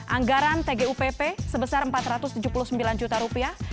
anggaran tgupp sebesar empat ratus tujuh puluh sembilan juta rupiah